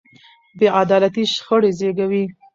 بې عدالتي شخړې زېږوي